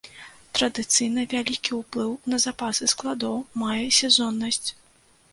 Традыцыйна вялікі ўплыў на запасы складоў мае сезоннасць.